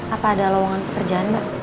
apa ada lowongan pekerjaan mbak